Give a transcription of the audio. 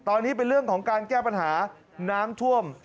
ตอนนี้เป็นเรื่องของการแก้ปัญหาน้ำท่วม